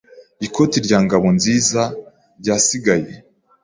Ikoti rya Ngabonzizaryasigaye.